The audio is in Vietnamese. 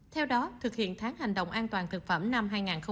theo đó thực hiện tháng hành động an toàn thực phẩm năm hai nghìn hai mươi